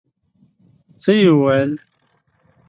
څه يې وويل.